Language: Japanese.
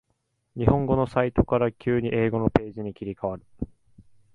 日本語のサイトから急に英語のページに切り替わる